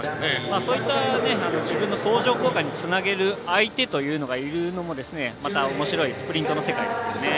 そういった自分の相乗効果につなげる相手というのがいるのも、またおもしろいスプリントの世界ですよね。